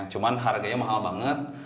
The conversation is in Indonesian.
cuman harganya mahal banget